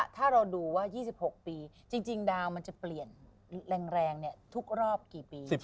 ถ้าเราดูว่า๒๖ปีจริงดาวมันจะเปลี่ยนแรงทุกรอบกี่ปี